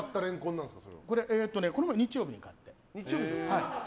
これ、日曜日に買った。